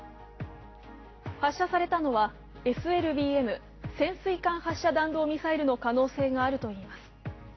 発射されたのはＳＬＢＭ＝潜水艦弾道ミサイルの可能性があるといいます。